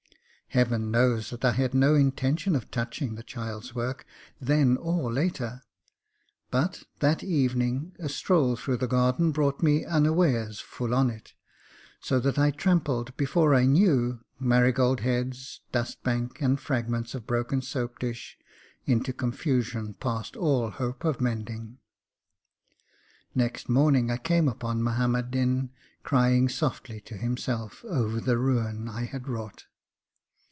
Heaven knows that I had no intention of touching the child's work then or later; but, that evening, a stroll through the garden brought me unawares full on it; so that I trampled, before I knew, marigold heads, dust bank, and fragments of broken soap dish into confusion past all hope of mending. Next morning, I came upon Muhammad Din crying softly to himself over the ruin I had wrought.